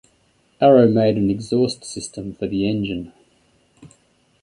Arrow made an exhaust system for the engine.